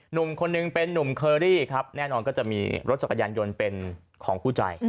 หนุ่มคนหนึ่งเป็นนุ่มเคอรี่ครับแน่นอนก็จะมีรถจักรยานยนต์เป็นของคู่ใจ